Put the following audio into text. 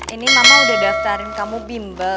ini mama udah daftarin kamu bimbel